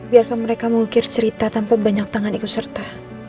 biarkan mereka mengukir cerita tanpa banyak tangan ikut serta